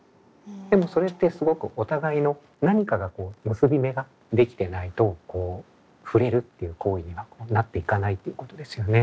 でもそれってすごくお互いの何かが結び目が出来てないとふれるっていう行為にはなっていかないっていうことですよね。